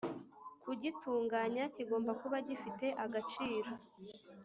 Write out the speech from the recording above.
kugitunganya kigomba kuba gifite agaciro.